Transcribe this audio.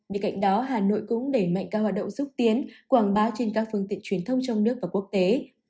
bên cạnh đó hà nội cũng đẩy mạnh các hoạt động xúc tiến quảng bá trên các phương tiện truyền thông trong nước và quốc tế